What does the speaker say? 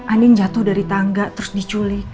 aning jatuh dari tangga terus diculik